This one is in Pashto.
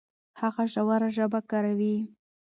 هغه ژوره ژبه کاروي.